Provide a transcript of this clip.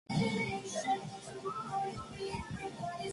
El exterior del edificio está totalmente enlucido y encalado.